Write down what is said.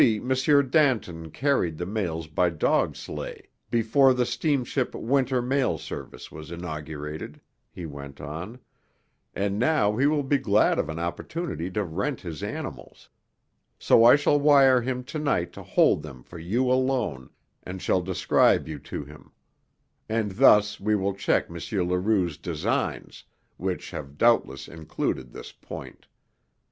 Danton carried the mails by dog sleigh before the steamship winter mail service was inaugurated," he went on, "and now he will be glad of an opportunity to rent his animals. So I shall wire him tonight to hold them for you alone, and shall describe you to him. And thus we will check M. Leroux's designs, which have doubtless included this point.